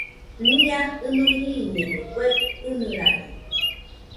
Nia jinui riiñede kue ɨnɨrano